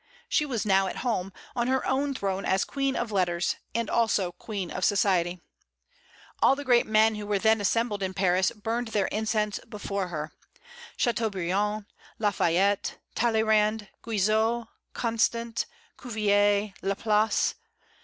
She was now at home, on her own throne as queen of letters, and also queen of society. All the great men who were then assembled in Paris burned their incense before her, Châteaubriand, Lafayette, Talleyrand, Guizot, Constant, Cuvier, Laplace.